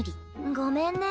ごめんね。